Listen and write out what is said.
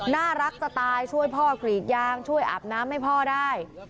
น่ารักจะตายช่วยพ่อกรีดยางช่วยอาบน้ำให้พ่อได้